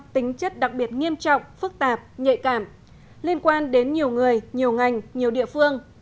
tính chất đặc biệt nghiêm trọng phức tạp nhạy cảm liên quan đến nhiều người nhiều ngành nhiều địa phương